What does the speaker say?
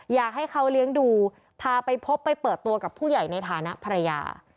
อยากให้เขาเลี้ยงดูพาไปพบไปเปิดตัวกับผู้ใหญ่ในฐานะภรรยา